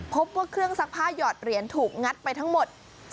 พบว่าเครื่องซักผ้าหยอดเหรียญถูกงัดไปทั้งหมด